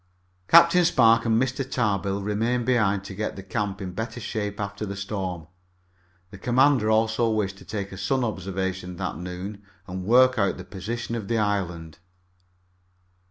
Captain Spark and Mr. Tarbill remained behind to get the camp in better shape after the storm. The commander also wished to take a sun observation that noon and work out the position of the island.